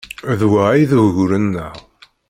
D wa ay d ugur-nneɣ.